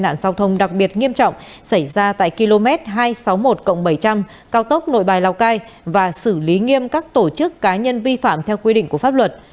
nạn giao thông đặc biệt nghiêm trọng xảy ra tại km hai trăm sáu mươi một bảy trăm linh cao tốc nội bài lào cai và xử lý nghiêm các tổ chức cá nhân vi phạm theo quy định của pháp luật